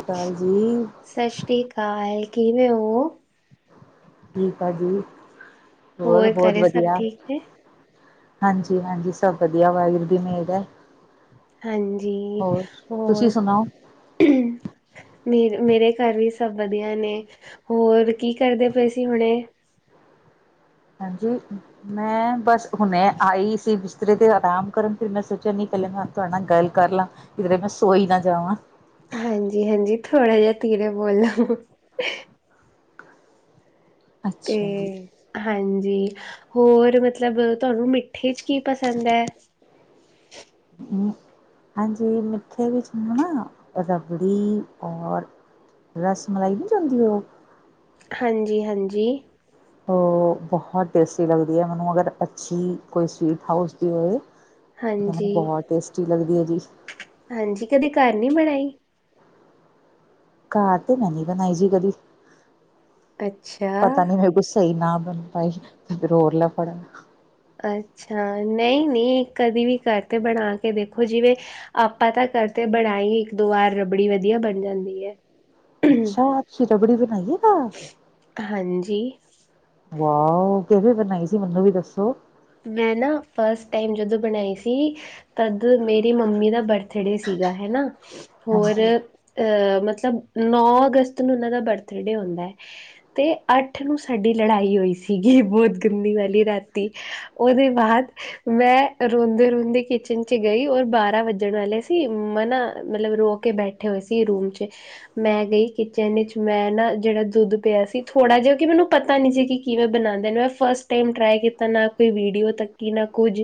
ਅਕਾਲ ਜੀ, ਸਤਿ ਸ਼੍ਰੀ ਅਕਾਲ ਕਿਵੇਂ ਹੋ? ਠੀਕ ਆ ਜੀ ਹੋਰ ਬਹੁਤ ਘਰੇ ਸਭ ਵਧੀਆ, ਠੀਕ ਨੇ? ਹਾਂਜੀ-ਹਾਂਜੀ, ਸਭ ਵਧੀਆ ਵਾਹਿਗੁਰੂ ਦੀ ਮਿਹਰ ਆ, ਹਾਂਜੀ ਤੁਸੀਂ ਹੋਰ, ਸੁਣਾਓ? ਮੇ ਮੇਰੇ ਘਰ ਵੀ ਸਭ ਵਧੀਆ ਨੇ। ਹੋਰ ਕੀ ਕਰਦੇ ਪਏ ਸੀ ਹੁਣੇ? ਹਾਂਜੀ। ਮੈਂ ਬਸ ਹੁਣੇ ਆਈ ਸੀ ਬਿਸਤਰੇ ਤੇ ਆਰਾਮ ਕਰਨ ਫਿਰ ਮੈਂ ਸੋਚਿਆ ਨਹੀ ਪਹਿਲਾਂ ਤੁਹਾਡੇ ਨਾਲ ਗੱਲ ਕਰ ਲਾ। ਫੇਰ ਮੈ ਸੋਈ ਨਾ ਜਾਵਾਂ। ਹਾਂਜੀ-ਹਾਂਜੀ ਥੋੜਾ ਜਿਹਾ ਧੀਰੇ ਬੋਲੋ, ਤੇ ਅੱਛਾ ਜੀ। ਹਾਂਜੀ ਹੋਰ ਮਤਲਬ ਤੁਹਾਨੂੰ ਖਿਚ ਕੀ ਪਸੰਦ ਹੈ। ਹੂੰ, ਹਾਂਜੀ ਮਿੱਠੇ ਵਿੱਚ ਹਨਾ ਰਬੜੀ ਔਰ, ਰਸ ਮਲਾਈ ਨੀ ਜਾਂਦੀ ਉਹ, ਹਾਂਜੀ-ਹਾਂਜੀ। ਓ ਬਹੁਤ ਟੇਸਟੀ ਲੱਗਦੀ ਆ ਮੈਨੂੰ ਅਗਰ ਅੱਛੀ ਕੋਈ ਸੀਟ ਹਾਊਸ ਦੀ ਹੋਏ। ਹਾਂਜੀ, ਹਾਂਜੀ ਬਹੁਤ ਟੇਸਟੀ ਲਗਦੀ ਹੈ ਜੀ। ਹਾਂਜੀ, ਕਦੇ ਘਰ ਨੀ ਬਣਾਈ? ਘਰ ਤੇ ਮੈਂ ਨੀ ਬਣਾਈ ਜੀ ਕਦੀ ਅੱਛਾ। ਪਤਾ ਨੀ ਮੈ ਕੁਛ, ਨਾ ਬਾ ਪਾਈ ਤੇ ਹੋਰ ਲਬਣ, ਅੱਛਾ ਨਹੀ-ਨਹੀ ਕਦੀ ਵੀ ਕਰਕੇ ਬਣਾ ਕੇ ਦੇਖੋ ਜਿਵੇਂ, ਆਪਾਂ ਤਾਂ ਕਰਦੇ ਬਣਾਈ ਇੱਕ ਦੋ ਵਾਰ ਰਬੜੀ ਵਧੀਆ ਬਣ ਜਾਂਦੀ ਹੈ। ਅੱਛਾ ਸ਼ੀਰਾ ਬੜੀ ਬਣਾਈਏ ਗਾ। ਹਾਂਜੀ। ਵਾਓ ਤੇਰੀ ਫਿਰ ਨਹੀਂ ਸੀ ਮੁੰਡੇ ਵੀ ਦੱਸੋ ਮੈਂ ਨਾ ਫਸਟ ਟਾਈਮ ਜਦੋ ਬਣਾਈ ਸੀ, ਤਦ ਮੇਰੀ ਮੰਮੀ ਦਾ ਬਰਥਡੇ ਸੀਗਾ ਹੈਨਾ ਹੋਰ, ਹਾਂਜੀ ਅ ਮਤਲਬ ਨੌ ਅਗਸਤ ਨੂੰ ਉਹਨਾਂ ਦਾ ਬਰਥੜੇ ਹੁੰਦਾ। ਤੇ ਅੱਠ ਨੂੰ ਸਾਡੀ ਲੜਾਈ ਹੋਈ ਸੀਗੀ ਬਹੁਤ ਗੰਦੀ ਵਾਲੀ ਰਾਤੀ, ਉਹਦੇ ਬਾਅਦ, ਮੈਂ ਰੋਂਦੇ ਰੋਂਦੇ ਕਿਚਨ ਚ ਗਈ ਔਰ ਬਾਰਾਂ ਵੱਜਣ ਆਲੇ ਸੀ ਮਮਾ ਨਾ ਮਤਲਬ ਰੋਕ ਕੇ ਬੈਠੇ ਹੋਏ ਸੀ ਰੂਮ ਚ ਮੈ ਗਈ ਕਿਚਨ ਵਿੱਚ ਮੈਂ ਨਾ ਜਿਹੜਾ ਦੁੱਧ ਪਿਆ ਸੀ ਥੋੜ੍ਹਾ ਜਿਆ ਕਿ ਮੈਨੂੰ ਪਤਾ ਨੀ ਸੀ ਕਿ ਕਿਵੇਂ ਬਣਾਂਦੇ ਨੇ ਮੈਂ ਫਸਟ ਟਾਈਮ ਟਰਾਈ ਕੀਤਾ ਨਾ ਕੋਈ ਵੀਡੀਓ ਤੱਕ ਕਿ ਨਾ ਕੁੱਝ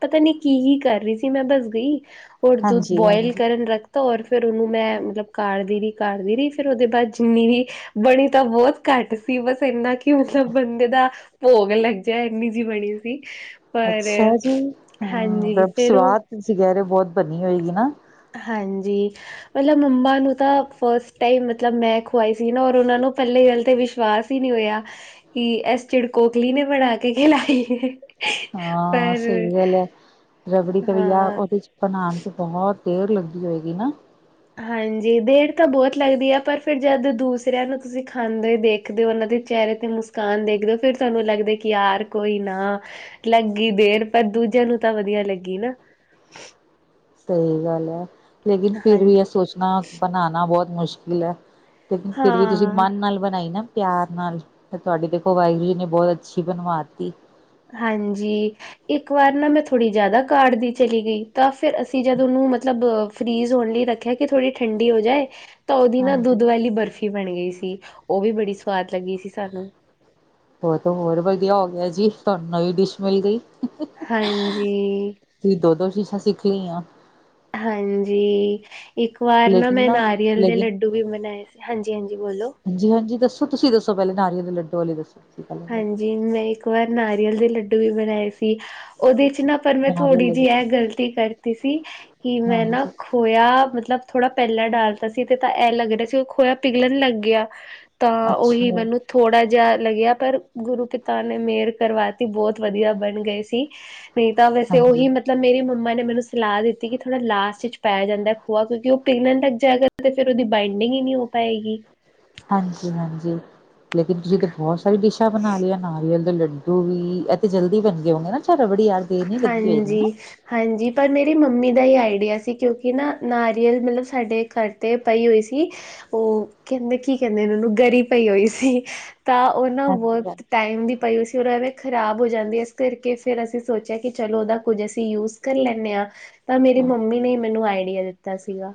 ਪਤਾ ਨੀ ਕੀ ਹੀ ਕਰ ਰਹੀ ਸੀ ਮੈਂ ਬਸ ਗਈ ਹੋਰ ਦੁੱਧ ਹਾਂਜੀ ਬੋਇਲ ਹਾਂਜੀ ਕਰਨ ਰੱਖ ਤਾਂ ਔਰ ਫਿਰ ਉਹਨੂੰ ਮੈਂ ਮਤਲਬ ਕਰਦੀ ਰਹੀ ਕਰਦੀ ਰਹੀ ਫਿਰ ਉਹਦੇ ਬਾਅਦ ਜਿੰਨੀ ਵੀ ਬਣੀ ਤਾਂ ਬਹੁਤ ਘੱਟ ਸੀ ਬਸ ਇੰਨਾ ਕਿ ਮਤਲਬ ਬੰਦੇ ਦਾ ਭੋਗ ਲੱਗ ਜਾਏ ਇੰਨੀ ਜੀ ਬਣੀ ਸੀ। ਪਰ ਅੱਛਾ ਜੀ, ਹਾਂਜੀ ਹਾਂ ਫਿਰ ਉਹ ਸਵਾਦ ਤੁਸੀ ਕੇਹ ਰੇਓ ਬਓਤ ਬਨੀ ਹੋਈਏ, ਹੈਨਾ। ਹੰਜੀ। ਮਤਲਬ ਮੰਮਾ ਨੂੰ ਤਾਂ ਫਸਟ ਟਾਈਮ ਮਤਲਬ ਮੈਂ ਖੁਵਾਈ ਸੀ ਨਾ ਔਰ ਓਨਾ ਨੂੰ ਪੈੱਲੀ ਗੱਲ ਤੇ ਵਿਸ਼ਵਾਸ ਵੀ ਨੀ ਹੋਯਾ ਕਿ ਐਸ ਚਿੜਕੋਖਲੀ ਨੇ ਬਣਾ ਕੇ ਖਿਲਾਈ ਏ। ਹਾਂ ਸਈ ਗਲ ਏ, ਰਬੜੀ ਕਵੀਆ ਹਾਂ ਓਦੇ ਚ ਬਣਾਣ ਤੇ ਬਹੋਤ ਦੇਰ ਲੱਗਦੀ ਹੋਏਗੀ ਨਾ? ਹਾਂਜੀ, ਦੇਰ ਤਾਂ ਬੋਹਤ ਲੱਗਦੀ ਏ ਪਰ ਫਿਰ ਜਦ ਦੂਸਰਿਆਂ ਨੂੰ ਤੁਸੀਂ ਖਾਂਦੇ ਹੋਏ ਦੇਖ ਦੇਖਦੇਔ ਉਨ੍ਹਾਂ ਦੇ ਚਿਹਰੇ ਤੇ ਮੁਸਕਾਨ ਦੇਖਦੇਓ ਫਿਰ ਤਾਨੂੰ ਲੱਗਦਾ ਕਿ ਯਾਰ ਕੋਈ ਨਾ ਲੱਗੀ ਗਈ ਦੇਰ ਪਰ ਦੂਜਿਆਂ ਨੂੰ ਤਾਂ ਵਦੀਆ ਲੱਗੀ ਨਾ। ਸਈ ਗੱਲ ਏ ਲੇਕਿਨ ਫਿਰ ਵੀ ਇਹ ਹਾਂਜੀ ਸੋਚਣਾ ਬਣਾਣਾ ਬੋਹਤ ਮੁਸ਼ਕਿਲ ਏ। ਤੇ ਫਿਰ ਵੀ ਤੁਸੀਂ ਹਾਂ ਮਨ ਨਾਲ ਬਨਾਂਈ ਨਾ ਪਿਆਰ ਨਾਲ ਫੇ ਤੁਆਡੀ ਦੇਖੋ ਵਾਹਿਗੁਰੂ ਜੀ ਨੇ ਬੋਹਤ ਅੱਛੀ ਬਣਵਾਤੀ। ਹਾਂਜੀ, ਇੱਕ ਵਾਰ ਨਾ ਮੈਂ ਥੋੜ੍ਹੀ ਜਾਦਾ ਕਾੜਦੀ ਚਲੀ ਗਈ। ਤਾਂ ਫਿਰ ਅਸੀਂ ਜਦ ਉਹਨੂੰ ਮਤਲਬ ਫਰੀਜ਼ ਹੋਣ ਲਈ ਰੱਖਿਆ ਕਿ ਥੋੜ੍ਹੀ ਠੰਡੀ ਹੋ ਜਾਏ ਤਾਂ ਓਦੀ ਨਾ ਹਾਂਜੀ ਦੁੱਦ ਵਾਲੀ ਬਰਫ਼ੀ ਬਣ ਗਈ ਸੀ ਓਹ ਵੀ ਬੜੀ ਸਵਾਦ ਲੱਗੀ ਸੀ ਸਾਨੂੰ। ਹੋ ਤਾਂ ਹੋਰ ਵਧੀਆ ਹੋ ਗਿਆ ਜੀ ਤਾਨੂੰ ਨਵੀਂ ਡਿਸ਼ ਮਿਲ ਗਈ। ਹਾਂਜੀ। ਤੁਸੀਂ ਦੋ ਦੋ ਚੀਸਾ ਸਿੱਖ ਲਈਆਂ। ਹਾਂਜੀ, ਇੱਕ ਵਾਰ ਨਾ ਲੇਕਿਨ ਮੈਂ ਨਾਰੀਅਲ ਦੇ ਲੇਕਿਨ ਲੱਡ ਡੁ ਵੀ ਬਨਾਏ ਸੀ, ਹਾਂਜੀ-ਹਾਂਜੀ ਬੋਲੋ ਹਾਂਜੀ-ਹਾਂਜੀ ਦੱਸੋ ਤੁਸੀਂ ਦੱਸੋ ਪਹਿਲੇ ਨਾਰੀਲ ਦੇ ਲੱਡੂ ਵਾਲੇ ਦੱਸੋ ਤੁਸੀਂ ਪਹਿਲੇ ਹਾਂਜੀ, ਮੈਂ ਇੱਕ ਵਾਰ ਨਾਰੀਅਲ ਦੇ ਲੱਡੂ ਵੀ ਬਣਾਏ ਸੀ ਓਦੇ 'ਚ ਨਾ ਪਰ ਮੈਂ ਨਾਰੀਅਲ ਥੋੜ੍ਹੀ ਦੇ ਜਿ ਏ ਲੱਡੂ ਗ਼ਲਤੀ ਕਰਤੀ ਸੀ ਕਿ ਮੈਂ ਨਾਂ ਹਾਂਜੀ ਖੋਯਾ ਮਤਲਬ ਥੋੜਾ ਪੈਲਾਂ ਡਾਲਦਾ ਸੀ, ਤੇ ਤਾਂ ਇਹ ਲੱਗ ਰਿਆ ਸੀ ਖੋਯਾ ਪਿਗਲਣ ਲੱਗਿਆ ਤਾਂ ਓਹੀ ਅੱਛਾ ਮੈਨੂੰ ਥੋੜਾ ਜਿਆ ਲੱਗਿਆ ਪਰ ਗੁਰੂਪਿਤਾ ਨੇ ਮੇਰ ਕਰਵਾਤੀ, ਬੋਹਤ ਵਧੀਆ ਬਣ ਗਏ ਸੀ ਨੀਂ ਤਾਂ ਵੈਸੇ ਓਹੀ ਹਾਂਜੀ ਮਤਲਬ ਮੇਰੀ ਮੰਮਾ ਨੇ ਮੈਨੂੰ ਸਲਾਹ ਦਿੱਤੀ ਕਿ ਥੋੜ੍ਹਾ ਲਾਸਟ 'ਚ ਪਾਯਾ ਜਾਂਦਾ ਖੋਆ, ਕਿਉਂਕਿ ਓਹ ਪਪਿਗਲਣ ਲੱਗ ਜਾਏਗਾ ਤੇ ਫੇਰ ਓਦੀ ਬਾਈੰਡਿੰਗ ਹੀ ਨੀਂ ਹੋਵੇ ਪਏਗੀ। ਹਾਂਜੀ-ਹਾਂਜੀ, ਲੇਕਿਨ ਤੁਸੀਂ ਤਾਂ ਬਹੁਤ ਸਾਰੀ ਡਿਸ਼ਾਂ ਬਣਾ ਲਈਆਂ ਨਾਰੀਅਲ ਦੇ ਲਡੂ ਡੂ ਵੀ ਏਹ ਤੇ ਜਲਦੀ ਬਨਦੇ ਗਏ ਹੋਨੇ ਨਾ ਚ ਰਬੜੀ ਆ ਹਨਜੀ। ਹਾਂਜੀ, ਪਰ ਮੇਰੀ ਮੰਮੀ ਦਾ ਹੀ ਆਈਡੀਆ ਸੀ ਕਿਉਂਕਿ ਨਾ ਨਾਰੀਅਲ ਮਤਲਬ ਸਾਡੇ ਘਰ 'ਤੇ ਪਈ ਹੋਈ ਸੀ। ਓਹ ਕਹਿੰਦੇ ਕੀ ਕਹਿੰਦੇ ਓਨੁ ਗਰੀ ਪਈ ਹੋਈ ਸੀ। ਤਾਂ ਓਨਾ ਬੋਹਤ ਹਾਂਜੀ-ਹਾਂਜੀ। ਟਾਈਮ ਦੀ ਪਈ ਹੋਈ ਸੀ ਓਹ ਨਾਲੇ ਖ਼ਰਾਬ ਹੋ ਜਾਂਦੀ ਇਸ ਕਰਕੇ ਫੇਰ ਅਸੀਂ ਸੋਚੇਆ ਕਿ ਚਲੋ ਓਦਾ ਕੁੱਝ ਅਸੀਂ ਯੂਜ ਕਰ ਲੈਂਦੇ ਹਾਂ ਤਾਂ ਮੇਰੀ ਮੰਮੀ ਨੇ ਮੈਨੂੰ ਆਈਡੀਆ ਦਿੱਤਾ ਤਾ ਸੀਗਾ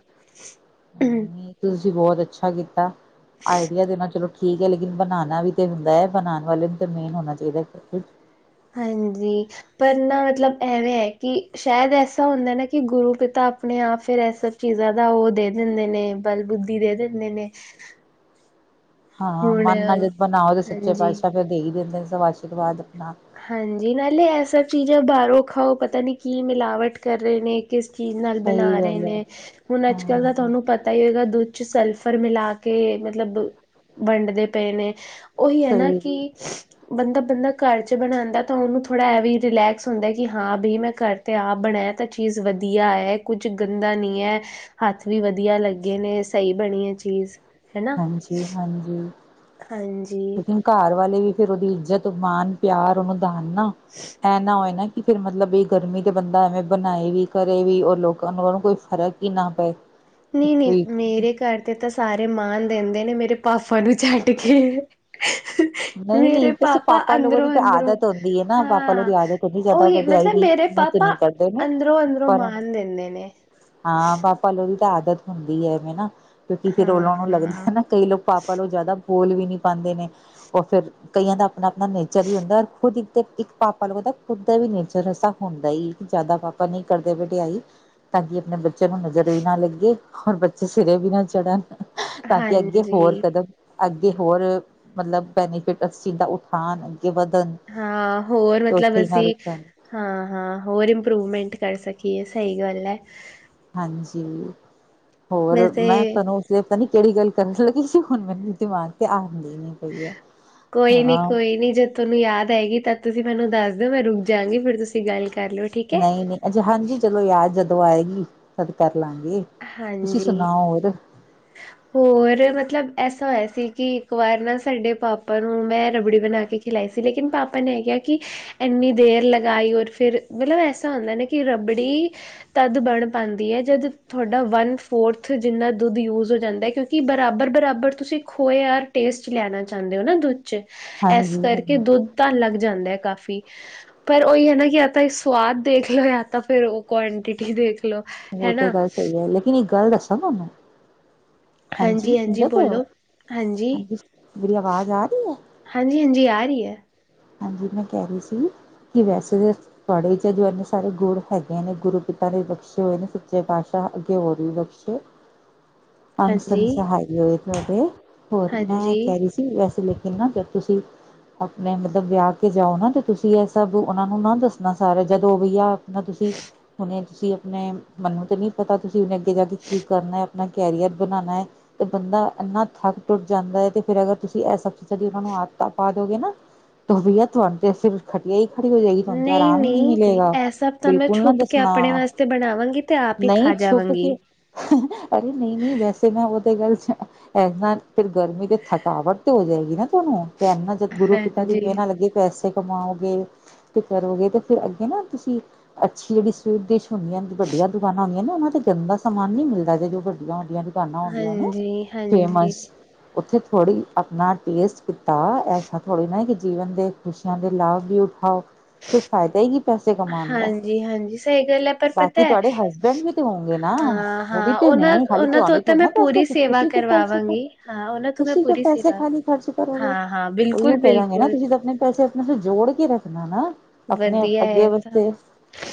[unintelligible] ਨਹੀਂ ਤੁਸੀਂ ਬੋਹਤ ਅੱਛਾ ਕੀਤਾ ਆਈਡੀਆ ਦੇਣਾ ਚਲੋ ਠੀਕ ਏ ਲੇਕਿਨ ਬਨਾਂਣਾ ਵੀ ਤੇ ਹੁੰਦਾ, ਬਨਾਣ ਵਾਲੇ ਨੂੰ ਤਾਂ ਮੇਨ ਹੋਣਾ ਚਾਈਦਾ। ਹਨਜੀ। ਪਰ ਨਾ ਮਤਲਬ ਐਵੇਂ ਹੈ ਕਿ ਸ਼ਾਇਦ ਐਸਾ ਹੁੰਦਾ ਨਾ ਕਿ ਗੁਰੂ ਪਿਤਾ ਆਪਣੇ ਆਪ ਫੇਰ ਐਸ ਚੀਜ਼ਾਂ ਦਾ ਓ ਦੇ ਦਿੰਦੇ ਨੇ, ਬਲਬੁੱਦੀ ਦੇ ਦਿੰਦੇ ਨੇ। ਹਾਂ ਹੁਣ ਮਨ ਨਾ ਜਦ ਬਨਾਓ ਤਾਂ ਸੱਚੇ ਹਾਂਜੀ ਪਾਤਸ਼ਾਹ ਫੇਰ ਦੇ ਹੀ ਦਿੰਦੇ ਸਬ ਅਸ਼ੀਰਵਾਦ ਆਪਨਾ। ਹਾਂਜੀ ਨਾਲੇ ਇਹ ਸਭ ਚੀਜ਼ਾਂ ਬਾਹਰੋਂ ਖਾਓ ਪਤਾ ਨੀ ਕੀ ਮਿਲਾਵਟ ਕਰ ਰਹੇ ਨੇ ਕਿਸ ਚੀਜ਼ ਨਾਲ ਸਹੀ ਬਣਾ ਰਹੇ ਗੱਲ ਹੈ। ਨੇ ਹੁਣ ਅੱਜ ਕੱਲ ਦਾ ਹਾਂ ਤੁਹਾਨੂੰ ਪਤ ਪਤਾ ਹੀ ਹੋਏਗਾ ਦੁੱਧ ਚ ਸਲਫਰ ਮਿਲਾ ਕੇ ਮਤਲਬ ਵੰਡਦੇ ਪਏ ਨੇ ਉਹੀ ਹੈ ਨਾ ਸਹੀ ਕਿ ਬੰਦਾ ਬੰਦਾ ਘਰ ਚ ਬਣਾਉਂਦਾ ਤਾਂ ਉਹਨੂੰ ਥੋੜਾ ਇਹ ਵੀ ਰਿਲੈਕਸ ਹੁੰਦਾ ਕਿ ਹਾਂ ਬਈ ਮੈਂ ਘਰ 'ਤੇ ਆਪ ਬਣਾਇਆ ਤਾਂ ਚੀਜ਼ ਵਧੀਆ ਐ। ਕੁੱਝ ਗੰਦਾ ਨਹੀਂ ਹੈ ਹੱਥ ਵੀ ਵਧੀਆ ਲੱਗੇ ਨੇ ਸਹੀ ਬਣੀ ਐ ਚੀਜ਼ ਹੈਨਾ ਹਾਂਜੀ ਹਾਂਜੀ ਹਾਂਜੀ ਘਰ ਵਾਲੇ ਵੀ ਫਿਰ ਉਹਦੀ ਇੱਜ਼ਤ ਮਾਣ ਪਿਆਰ ਵਿਧਾਨ ਨਾ ਐ ਨਾ ਹੋਏ ਫਿਰ ਮਤਲਬ ਵੀ ਗਰਮੀ ਦੇ ਬੰਦਾ ਐਵੇਂ ਬਣਾਏਗੀ ਘਰੇ ਵੀ ਲੋਕਾਂ ਨੂੰ ਉਹਨੂੰ ਕੋਈ ਫ਼ਰਕ ਹੀ ਨਾ ਪਏ ਨਹੀਂ ਨਹੀਂ ਕੋਈ ਮੇਰੇ ਘਰ ਤੇ ਤਾਂ ਸਾਰੇ ਮਾਣ ਦਿੰਦੇ ਨੇ ਮੇਰੇ ਪਾਪਾ ਨੂੰ ਛੱਡ ਕੇ ਨਹੀਂ ਨਹੀਂ ਮੇਰੇ ਵੈਸੇ ਪਾਪਾ ਲੋਗੋ ਦੀ ਅੰਦਰੋਂ ਤਾਂ ਅੰਦਰੋਂ ਆਦਤ ਹੁੰਦੀ ਹੈ ਨਾ ਪਾਪਾ ਲੋਗ ਹਾਂ। ਦੀ ਆਦਤ ਹੁੰਦੀ ਜ਼ਿਆਦਾ ਉਹੀ ਵਡਿਆਈ ਮਤਲਬ ਵੀ ਮੇਰੇ ਮੂੰਹ ਤੇ ਪਾਪਾ ਨਹੀਂ ਕਰਦੇ ਨੇ ਅੰਦਰੋਂ ਅੰਦਰੋਂ ਪਰ ਮਾਣ ਦਿੰਦੇ ਨੇ ਹਾਂ ਪਾ ਪਾਪਾ ਲੋਕਾਂ ਦੀ ਆਦਤ ਹੁੰਦੀ ਹੈਵੇ ਨਾ ਕਿਉਂਕਿ ਫਿਰ ਉਹਨਾਂ ਨੂੰ ਲਗਦਾ ਹਾਂ, ਹੈ ਨਾ ਕਈ ਲੋਕ ਪਾਪਾ ਲੋਂ ਜ਼ਿਆਦਾ ਬੋਲ ਵੀ ਨੀ ਪਾਉਦੇ ਨੇ ਉਹ ਫਿਰ ਕਈਆਂ ਦਾ ਆਪਣਾ ਆਪਣਾ ਨੇਚਰ ਵੀ ਹੁੰਦਾ ਖੁਦ ਇੱਕ ਤੇ ਇੱਕ ਪਾ ਤੁਹਾਨੂੰ ਪਤਾ ਖੁਦ ਦਾ ਵੀ ਨੇਚਰ ਐਸਾ ਹੁੰਦਾ ਕਿ ਜ਼ਿਆਦਾ ਪਾਪਾ ਨਹੀਂ ਕਰਦੇ ਬਡਿਆਈ ਤਾਂ ਕਿ ਆਪਣੇ ਬੱਚਿਆਂ ਨੂੰ ਨਜ਼ਰ ਵੀ ਨਾ ਲੱਗੇ ਔਰ ਬੱਚੇ ਸਿਰੇ ਵੀ ਨਾ ਚੜਨ ਤਾਂ ਕਿ ਅੱਗੇ ਹੋਰ ਹਾਂਜੀ। ਕਰੋ ਅੱਗੇ ਹੋਰ ਮਤਲਬ ਬੈਨੀਫਿਟ ਸਿੱਧਾ ਉਠਾਉਣ ਅੱਗੇ ਵੱਧਣ ਹਾਂ ਹੋਰ ਮਤਲਬ ਅਸੀਂ ਹਾਂ ਹਾਂ ਹੋਰ ਇੰਪਰੂਵਮੈਂਟ ਕਰ ਸਕੀਏ ਸਹੀ ਗੱਲ ਹੈ। ਹਾਂਜੀ ਹੋਰ ਵੈਸੇ ਮੈਂ ਤੁਹਾਨੂੰ ਪਤਾ ਨੀ ਕਿਹੜੀ ਗੱਲ ਕਰਨ ਲੱਗੀ ਹੁਣ ਮੈਨੂੰ ਦਿਮਾਗ ਤੇ ਆਉਂਦੀ ਨੀ ਪਈ ਹੈ। ਕੋਈ ਨੀ ਹਾਂ ਕੋਈ ਨੀ ਜਦ ਤੁਹਾਨੂੰ ਯਾਦ ਆਏਗੀ ਤਾਂ ਤੁਸੀਂ ਮੈਨੂੰ ਦੱਸ ਦਿਓ ਮੈਂ ਰੁਕ ਜਾਂਗੀ ਫਿਰ ਤੁਸੀਂ ਗੱਲ ਕਰ ਲਿਓ ਠੀਕ ਐ। ਨਹੀਂ ਨਹੀਂ ਹਜੇ ਹਾਂਜੀ ਚਲੋ ਯਾਦ ਜਦੋਂ ਆਏਗੀ ਤਦ ਕਰ ਲਾਂਗੇ ਤੁਸੀਂ ਹਾਂਜੀ। ਸੁਣਾ ਹੋਰ [inaudible] ਹੋਰ ਮਤਲਬ ਐਸਾ ਹੋਇਆ ਸੀ ਕਿ ਇੱਕ ਵਾਰ ਨਾ ਸਾਡੇ ਪਾਪਾ ਨੂੰ ਮੈਂ ਰਬੜੀ ਬਣਾ ਕੇ ਖਿਲਾਈ ਸੀ ਲੇਕਿਨ ਪਾਪਾ ਨੇ ਏ ਕਿਹਾ ਕਿ ਇੰਨੀ ਦੇਰ ਲਗਾਈ ਔਰ ਫਿਰ ਮਤਲਬ ਐਸਾ ਹੁੰਦਾ ਨਾ ਕਿ ਰਬੜੀ ਤਦ ਬਣ ਪਾਉਂਦੀ ਹੈ ਜਦ ਤੁਹਾਡਾ ਵਨ ਫੋਰਥ ਜਿੰਨਾ ਦੁੱਧ ਯੂਜ਼ ਹੋ ਜਾਂਦਾ ਕਿਉਂਕਿ ਬਰਾਬਰ ਬਰਾਬਰ ਤੁਸੀਂ ਖੋਏ ਯਾਰ ਟੇਸਟ ਲੈਣਾ ਚਾਹੁੰਦੇ ਹੋ ਨਾ ਦੁੱਧ ' ਚ ਇਸ ਹਾਂਜੀ ਕਰਕੇ ਹਾਂਜੀ ਦੁੱਧ ਤਾਂ ਲੱਗ ਜਾਂਦਾ ਹੈ। ਕਾਫ਼ੀ ਪਰ ਉਹੀ ਹੈ ਨਾ ਯਾ ਤਾਂ ਸਵਾਦ ਦੇਖ ਲੋ ਜਾਂ ਤਾਂ ਫਿਰ ਉਹ ਕੁਆਂਟਿਟੀ ਦੇਖ ਲੋ ਹੋ ਤੇ ਹਨਾ ਗੱਲ ਸਹੀ ਹੈ ਲੇਕਿਨ ਇੱਕ ਗੱਲ ਦੱਸਾਂ ਤੁਹਾਨੂੰ ਹਾਂਜੀ ਸੁਣਦੇ ਪਏ ਹੋ ਹਾਂਜੀ ਮੇਰੀ ਆਵਾਜ਼ ਆ ਰਹੀ ਐ ਹਾਂਜੀ ਹਾਂਜੀ ਆ ਰਹੀ ਐ ਹਾਂਜੀ ਮੈਂ ਕਹਿ ਰਹੀ ਸੀ ਕਿ ਵੈਸੇ ਤੁਹਾਡੇ ਚ ਜੋ ਇੰਨੇ ਸਾਰੇ ਗੁਰ ਹੈਗੇ ਨੇ ਗੁਰੂ ਪਿਤਾ ਨੇ ਬਖਸ਼ੇ ਹੋਏ ਨੇ ਸੱਚੇ ਪਾਤਸ਼ਾਹ ਅੱਗੇ ਹੋਰ ਵੀ ਛੇ [inaudible] ਅੰਸ ਅੰਸ ਸਹਾਈ ਹੋਏ ਤੁਹਾਡੇ ਹੋਰ ਮੈਂ ਹਾਂਜੀ। ਕਹਿ ਅਸੀਂ ਲੇਕਿਨ ਨਾ ਜਦ ਤੁਸੀਂ ਆਪਣੇ ਜ ਵਿਆਹ ਕੇ ਜਾਓ ਨਾ, ਤੇ ਤੁਸੀਂ ਇਹ ਸਭ ਉਹਨਾਂ ਨੂੰ ਨਾ ਦੱਸਣਾ, ਸਾਰਾ ਜਦੋਂ ਉਹ ਵੀਈਆ, ਆਪਣਾ ਤੁਸੀਂ ਹੁਣੇ ਤੁਸੀਂ ਆਪਣੇ, ਮੈਨੂੰ ਤਾਂ ਨਹੀਂ ਪਤਾ ਤੁਸੀਂ ਹਨੇ ਅੱਗੇ ਜਾ ਕੇ, ਕੀ ਕਰਨਾ ਆਪਣਾ, ਕੈੀਅਰ ਬਣਾਉਣਾ ਹੈ ਤੇ ਬੰਦਾ, ਇੰਨਾ ਥੱਕ ਟੁੱਟ ਜਾਂਦਾ ਹੈ ਤੇ ਫਿਰ ਅਗਰ ਤੁਸੀਂ ਇਹ ਸਬ ਚੀਜ਼ਾਂ ਦੀ, ਉਹਨਾਂ ਨੂੰ ਆਦਤਾਂ ਪਾ ਦੋਗੇ ਨਾ ਖਟੀਆ, ਤੁਹਾਡ ਤੇ ਫਿਰ ਖਟੀਆ ਹੀ ਖੜੀ ਹੋ ਜਾਏਗੀ, ਤੁਾਨੂੰ ਤੇ ਆਰਾਮ ਹੀ ਨਹੀਂ ਨਹੀਂ-ਨਹੀਂ ਮਿਲੇਗਾ, ਇਹ ਸਭ ਤਾਂ ਮੈਂ ਬਿਲਕੁਲ ਨਾ ਛੁਪ ਕੇ ਦੱਸਣਾ। ਆਪਣੇ ਵਾਸਤੇ ਬਣਾਵਾਂਗੀ, ਤੇ ਆਪ ਹੀ ਨਹੀਂ ਖਾ ਛੁਪ ਜਾਵਾਂਗੀ। ਕੇ ਅਰੇ ਨਹੀਂ- ਨਹੀਂ, ਵੈਸੇ ਮੈਂ ਉਹ ਤੇ ਗੱਲ ਚ ਇਨਾ ਫਿਰ, ਗਰਮੀ ਦੇ ਥਕਾਵਟ ਤੇ ਹੋ ਜਾਏਗੀ ਨਾ ਤੁਹਾਨੂੰ, ਤੇ ਇਨਾ ਜਦ ਗੁਰੂ ਪਿਤਾ ਦੀ ਦੇਹ ਹਾਂਜੀ, ਨਾ ਲੱਗੇ ਪੈਸੇ ਕਮਾਓਗੇ ਤੇ ਕਰੋਗੇ ਤੇ, ਫੇਿਰ ਅੱਗੇ ਨਾ ਤੁਸੀਂ ਅੱਛੀ ਜਿਹੜੀ ਡਸ਼ ਹੁੰਦੀ ਹਨ ਵੱਡੀਆਂ ਦੁਕਾਨਾਂ ਹੁੰਦੀਆਂ ਨੇ, ਉਹਨਾਂ ਤੇ ਗਰਮ ਦਾ ਸਮਾਨ ਨੀ ਮਿਲਦਾ, ਜ ਜੋ ਵੱਡੀਆਂ ਹੁੰਦੀਆਂ ਦੁਕਾਨਾਂ ਹੁੰਦੀਆਂ ਨੇ, ਹਾਂਜੀ, ਹਾਂਜੀ। ਫੇਮਸ ਉੱਥੇ ਥੋੜ੍ਹੀ ਆਪਣਾ ਟੇਸਟ ਕੀਤਾ, ਐਸਾ ਥੋੜ੍ਹੀ ਨਾ ਕੀ ਜੀਵਨ ਦੇ, ਖੁਸ਼ੀਆਂ ਦੇ, ਲਾਭ ਵੀ ਉਠਾਓ। ਫਿਰ ਫਾਇਦਾ ਹੀ ਕੀ ਪੈਸੇ ਕਮਾਉਣ ਦਾ, ਹਾਂਜੀ-ਹਾਂਜੀ ਸਹੀ ਗੱਲ ਹੈ ਪਰ ਪਤਾ ਬਾਕੀ ਹੈ ਤੁਹਾਡੇ ਹਸਬੈਂਡ ਵੀ ਹੋਂਗੇ ਨਾ, ੳ ਵੀ ਹਾਂ-ਹਾਂ ਤੇ ਨੇ, ਖਾਲੀ ਉਹਨਾਂ-ਉਹਨਾਂ ਤੂੰ ਤੋਂ ਅ ਤਾਂ ਥੋੜ ਮੈਂ ਨਾ ਪੂਰੀ ਸੇਵਾ ਪੈਸਰੀ ਕਿ ਪੈਸ ਕਰਵਾਵਾਂਗੀ ਹਾਂ ਉਹਨਾਂ ਤੋਂ ਮੈਂ ਤੁਸੀਂ ਕਿ ਪੂਰੀ ਪੈਸੇ ਸੇਵਾ ਖਾਲੀ ਖਰਚ ਕਰੋਗੇ, ਹਾਂ-ਹਾਂ ਉਹੀਓ ਕਹਿਾਂਗੇ ਨਾ ਬਿਲਕੁਲ-ਬਿਲਕੁਲ ਤੁਸੀਂ ਤਾਂ ਆਪਣੇ ਪੈਸੇ ਆਪਣੇ ਜੋੜ ਕੇ ਰੱਖਣਾ ਨਾ, ਆਪਣੇ ਵਧੀਆ ਅੱਗੇ ਹੈ ਤਾਂ ਵਾਸਤੇ,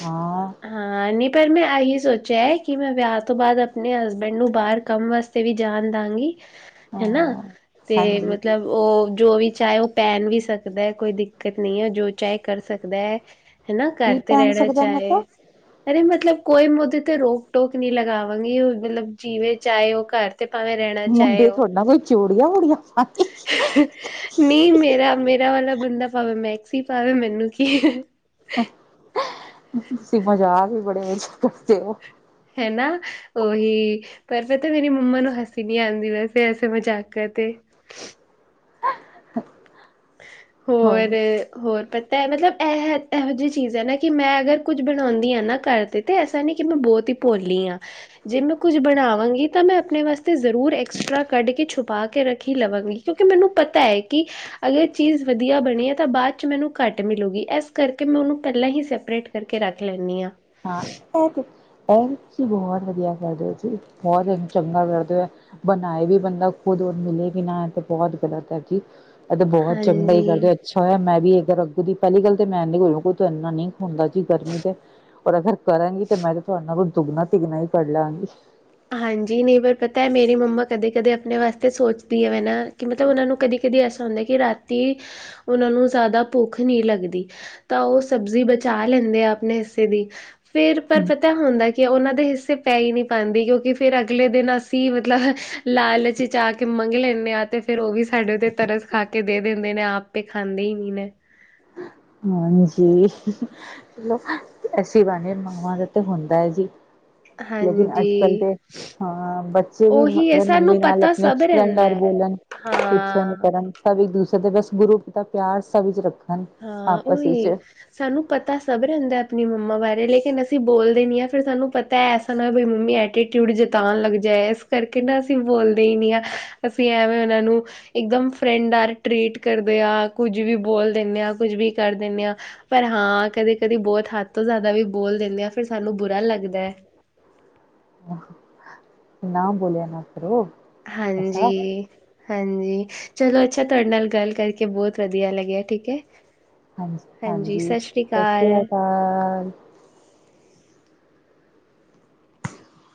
ਹਾਂ। ਹਾਂ, ਨ ਪਰ ਮੈਂ ਇਹੀ ਸੋਚਿਆ ਹੈ, ਕਿ ਮੈਂ ਵਿਆਹ ਤੋਂ ਬਾਅਦ ਆਪਣੇ ਹਸਬੈਂਡ ਨੂੰ, ਬਾਹਰ ਕੰਮ ਵਾਸਤੇ ਤੇ ਵੀ ਜਾਣ ਦਾਂਗੀ, ਹਨਾ, ਹਾਂ ਤੇ ਹਾਂਜੀ ਮਤਲਬ ਉਹ ਜੋ ਵੀ ਚਾਹੇ, ਉਹ ਪਹਿਨ ਵੀ ਸਕਦਾ ਹੈ, ਕੋਈ ਦਿੱਕਤ ਨਹੀਂ ਹੈ, ਜੋ ਚਾਹੇ ਕਰ ਸਕਦਾ ਹੈ। ਹਨਾ, ਘਰ ਕੀ ਤੇ ਪਹਿਨ ਰਹਿਣਾ ਸਕਦਾ ਮੈਂ ਚਾਹੇ ਤਾਂ ਅਰੇ ਮਤਲਬ, ਕੋਈ ਮੈ ੳਦੇ ਤੇ ਰੋਕ ਟੋਕ ਨਹੀਂ ਲਗਾਵਾਂਗੀ, ਮਤਲਬ ਜਿਵੇ ਚਾਹੇ ਉਹ ਘਰ ਤੇ ਭਾਵੇਂ, ਰਹਿਣਾ ਚਾਹੇ ਮੁੰਡੇ ਹੋ। ਥੋੜਾ ਨਾ ਕੋਈ ਚੂੜੀਆਂ ਵੂੜੀਆਂ ਪਾ ਕੇ ਨਹੀਂ ਮੇਰਾ, ਮੇਰਾ ਵਾਲਾ ਬੰਦਾ ਪਾਵੇ ਮੈਕਸੀ ਪਾਵੇ, ਮੈਨੂੰ ਕੀ। ਤੁਂ ਮਜ਼ਾ ਵੀ ਬੜੇ, ਮਜ਼ੇ ਕਰਦੇ ਉਹ ਹਨਾ, ਉਹਓਹੀ। ਪਰ ਪਤਾ, ਮੇਰੀ ਮੰਮਾ ਨੂੰ ਹਸੀ ਨਹੀਂ ਆਉਂਦੀ ਵੈਸੇ, ਅਸੇ ਮਜ਼ਾਕਾਂ ਤੇ ਹਾਂ, ਹਾਂ। ਹੋਰ, ਹੋਰ ਪਤਾ ਹੈ ਮਤਲਬ ਇਹ, ਇਹੋ ਜਿਹੀ ਚੀਜ਼ ਹੈ ਨਾ ਕਿ ਮੈਂ ਅਗਰ, ਕੁੱਝ ਬਣਾਉਂਦੀ ਹਾਂ ਨਾ ਘਰ ਤੇ ਐਸਾ ਨੀ, ਕਿ ਮੈਂ ਬਹੁਤ ਹੀ ਭੋਲੀ ਆ ਜੇ ਮੈਂ ਕੁੱਝ ਬਣਾਵਾਂਗੀ, ਤਾਂ ਮੈਂ ਆਪਣੇ ਵਾਸਤੇ ਜ਼ਰੂਰ ਐਕਸਟਰਾ ਕੱਢ ਕੇ, ਛੁਪਾ ਕੇ ਰੱਖੀ ਲਵਾਂਗੀ। ਕਿਉਂਕਿ ਮੈਨੂੰ ਪਤਾ ਹੈ ਕਿ ਅਗਰ ਚੀਜ਼, ਵਧੀਆ ਬਣੀ ਹੈ ਤਾਂ ਬਾਅਦ 'ਚ ਮੈਨੂੰ ਘੱਟ ਮਿਲੇਗੀ, ਇਸ ਕਰਕੇ ਮੈਂ ਉਹਨੂੰ ਪਹਿਲਾਂ ਹੀ ਸੈਪਰੇਟ ਕਰਕੇ ਰੱਖ ਲੈਂਦੀ ਹਾਂ। ਹਾਂ, ਇਹ ਤੇ ਇਹਸੀ ਬਹੁਤ ਵਧੀਆ ਕਰਦੇ ਹੋ ਸੀ, ਬਹੁਤ ਚੰਗਾ ਕਰਦੇ ਔ। ਬਣਾਏ ਵੀ ਬੰਦਾ ਖੁਦ, ਔਰ ਮਿਲੇ ਵੀ ਨਾ, ਤੇ ਬਹੁਤ ਗ਼ਲਤ ਹੈ ਜੀ। ਇਹ ਤਾਂ ਬਹੁਤ ਚੰਗਾ ਹੀ ਹਾਂਜੀ ਕਰਦੇ, ਅੱਛਾ ਹੋਇਆ ਮੈਂ ਵੀ ਅੱਗ ਦੀ, ਪਹਿਲੀ ਗੱਲ ਤੇ ਮੈਂ ਕੋਲਈ ਇਨਾ ਨੀ ਹੁੰਦਾ ਜੀ ਗਰਮੀ ਤੇ, ਔਰ ਅਗਰ ਕਰਾਂਗੀ ਤੇ ਮੈਂ ਤਾਂ ਤੁਹਾਡੇ ਨੂੰ, ਦੁੱਗਣਾ-ਤਿਗਣਾ ਹੀ ਕਰ ਲਵਾਂਗੀ। ਹਾਂਜੀ, ਨਹੀਂ ਪਰ ਪਤਾ ਮੇਰੀ ਮੰਮਾ ਕਦੇ- ਕਦੇ ਆਪਣੇ ਵਾਸਤੇ, ਸੋਚਦੀ ਹੈ ਵੈ ਨਾ ਕਿ ਮਤਲਬ, ਉਹਨਾਂ ਨੂੰ ਕਦੇ ਕਦੀ ਐਸਾ ਹੁੰਦਾ, ਕਿ ਰਾਤੀ ਉਹਨਾਂ ਨੂੰ ਜ਼ਿਆਦਾ ਭੁੱਖ ਨਹੀਂ ਲੱਗਦੀ। ਤਾਂ ਉਹ, ਸਬਜ਼ੀ ਬਚਾ ਲੈਂਦੇ ਆ ਆਪਣੇ ਹਿੱਸੇ ਦੀ ਫੇਿਰ ਪਰ ਪਤਾ ਹੁੰਦਾ, ਕਿ ਉਹਨਾਂ ਦੇ ਹਿੱਸੇ ਪੈ ਹੀ ਨਹੀਂ ਪਾਉਂਦੀ, ਕਿਉਂਕਿ ਕਿ ਫੇਿਰ ਅਗਲੇ ਦਿਨ, ਅਸੀਂ ਮਤਲਬ ਲਾਲਚਚ ਆ ਕੇ ਮੰਗ ਲੈਂਦੇ ਹਾਂ ਤੇ ਫਰ ਉਹ ਵੀ ਸਾਡੇ ਉਤੇ ਤਰਸ ਖਾ ਕੇ ਦੇ ਦਿੰਦੇ ਨੇ, ਆਪੇ ਖਾਂਦੇ ਹੀ ਨ ਨੇ। ਹਾਂਜੀ। ਐਸੀ ਬਾਨੇ ਮਾਵਾਂ ਦਾ ਤੇ ਹੋਂਦਾ ਹੈ ਜੀ। ਲੇਕਿਨ ਅੱਜ-ਕੱਲ ਹਾਂਜੀ ਤੇ ਹਾਂ, ਬੱਚੇ ਵੀ ਉਹੀ ਹੈ ਅਗਰ ਸਾਨੂੰ ਮੰਮੀ ਨਾਲ ਪਤਾ ਅਪਨੇ ਸਭ ਫਰੈਂਡ ਰਹਿੰਦਾ ਨਾਲ ਹੈ ਬੋਲਣ। ਹਾਂ ਸਬ ਇੱਕ ਦੂਸਰੇ ਦੇ ਬਸ ਗੁਰੂਪ ਦਾ ਪੇਆਰ ਸਭ ਇਚ ਰੱਖਨ। ਹਾਂ, ਓਹੀ ਸਾਨੂੰ ਪਤਾ ਸਭ ਰੈਂਦਾ ਅਪਨੀ ਮੰਮਾ ਬਾਰੇ ਲੇਕਿਨ ਅਸੀਂ ਬੋਲਦੇ ਨੀ ਆਂ ਫੇਰ ਸਾਨੂੰ ਪਤੈ ਹਨਾ ਬਈ ਮੰਮੀ ਐਟੀਟਿਊਡ ਜਤਾਣ ਲੱਗ ਜਾਏ ਇਸ ਕਰਕੇ ਨਾ ਅਸੀ ਬੋਲਦੇ ਈ ਨੀ ਆਂ ਅਸੀ ਐਵੇਂ ਉਨਾਂ ਨੂੰ ਇੱਕਦਮ ਫਰੈਂਡ ਆਰ ਟਰੀਟ ਕਰਦੇ ਆਂ ਕੁੱਜ ਵੀ ਬੋਲ ਦੇਨੇ ਆਂ ਕੁਜ ਵੀ ਕਾਰ ਦੇਨੇ ਆਂ। ਪਰ ਹਾਂ ਕਦੇ, ਕਦੇ ਬੋਤ ਹੱਥ ਤੋਂ ਜਾਦਾ ਵੀ ਬੋਲ ਦੇਨੇ ਆਂ ਫਿਰ ਸਾਨੂੰ ਬੁਰਾ ਲੱਗਦੈ। ਓਹ ਨਾ ਬੋਲਿਆ ਨਾ ਕਰੋ। ਹਂਜੀ ਐਸਾ ਹਂਜੀ, ਚਲੋ ਅੱਛਾ ਤਾਡੇ ਨਾਲ ਗਾਲ ਕਰਕੇ ਬੋਤ ਵਧੀਆ ਲੱਗੇਆ ਠੀਕੈ। ਹਾਂਜੀ, ਹਾਂਜੀ ਅਕਾਲ ਸਸ੍ਰੀਆਕਾਲ